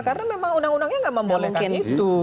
karena memang undang undangnya nggak membolehkan itu